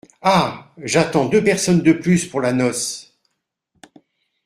Ah ! j’attends deux personnes de plus pour la noce.